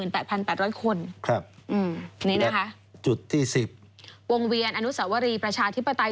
เป็น๑๘๘๐๐คนอันนี้นะคะวงเวียนอนุสาวรีประชาธิปไตย